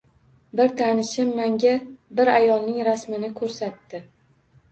Bir tanishim manga bir ayolning rasmini ko‘rsatdi.